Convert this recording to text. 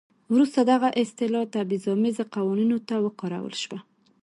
وروسته دغه اصطلاح تبعیض امیزه قوانینو ته وکارول شوه.